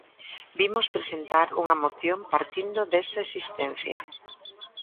Vimos presentar unha moción partindo desa existencia.